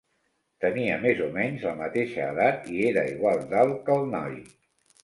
Tenia més o menys la mateixa edat i era igual d'alt que el noi.